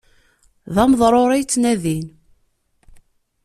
D ameḍṛuṛ i yettnadin.